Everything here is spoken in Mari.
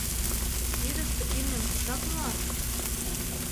Вӱдыштӧ имньым кушак муат?